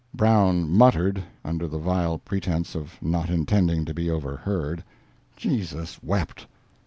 Brown muttered (under the vile pretense of not intending to be overheard): ""Jesus wept."